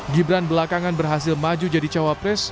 gibran belakangan berhasil maju jadi cawapres